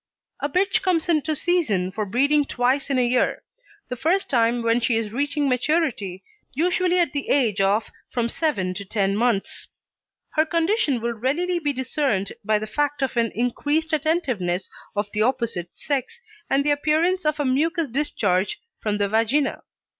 A bitch comes into season for breeding twice in a year; the first time when she is reaching maturity, usually at the age of from seven to ten months. Her condition will readily be discerned by the fact of an increased attentiveness of the opposite sex and the appearance of a mucous discharge from the vagina.